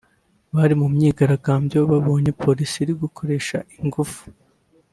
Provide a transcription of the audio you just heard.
Abari mu myigaragambyo babonye Polisi iri gukoresha ingufu